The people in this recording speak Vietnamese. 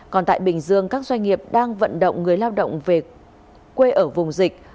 còn tại bình dương các doanh nghiệp đang vận động người lao động về quê ở vùng dịch